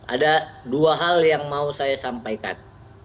ada dua hal yang mau saya sampaikan